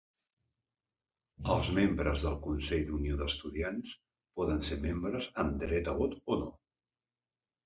Els membres del Consell d'Unió d'Estudiants poden ser membres amb dret a vot o no.